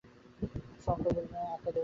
শঙ্কর বলেন, আত্মা দেহহীন।